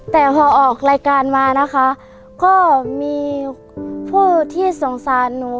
แต่พอออกรายการมานะคะก็มีผู้ที่สงสารหนู